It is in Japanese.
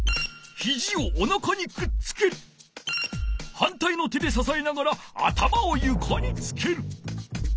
はんたいの手でささえながら頭をゆかにつける。